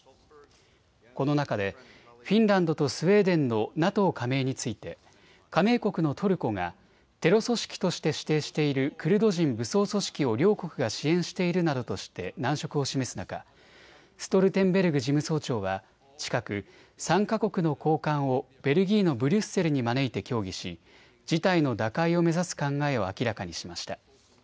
この中でフィンランドとスウェーデンのＮＡＴＯ加盟について加盟国のトルコがテロ組織として指定しているクルド人武装組織を両国が支援しているなどとして難色を示す中、ストルテンベルグ事務総長は近く３か国の高官をベルギーのブリュッセルに招いて協議し事態の打開を目指す考えを明らかにしました。